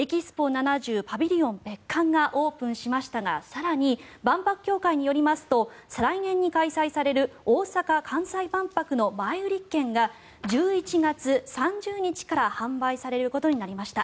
’７０パビリオン別館がオープンしましたが更に万博協会によりますと再来年に開催される大阪・関西万博の前売り券が１１月３０日から販売されることになりました。